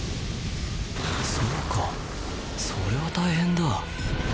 そうかそれは大変だ。